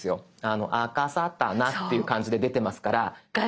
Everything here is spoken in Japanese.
あかさたなっていう感じで出てますから。